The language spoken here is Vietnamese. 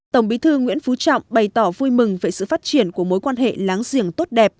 tổng bí thư nguyễn phú trọng bày tỏ vui mừng về sự phát triển của mối quan hệ láng giềng tốt đẹp